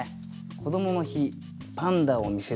「こどもの日パンダを見せる肩車」。